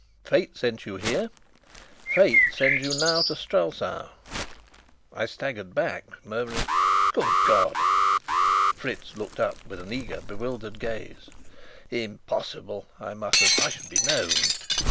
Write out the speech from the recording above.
Fate sent you here. Fate sends you now to Strelsau." I staggered back, murmuring "Good God!" Fritz looked up with an eager, bewildered gaze. "Impossible!" I muttered. "I should be known."